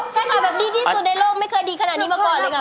ใช่ค่ะแบบดีที่สุดในโลกไม่เคยดีขนาดนี้มาก่อนเลยค่ะ